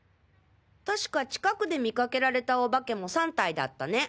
確か近くで見かけられたお化けも３体だったね。